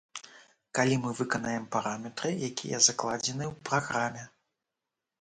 Калі мы выканаем параметры, якія закладзены ў праграме.